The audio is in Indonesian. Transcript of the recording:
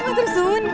lu terus hun deh